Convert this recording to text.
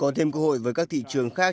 có thêm cơ hội với các thị trường khác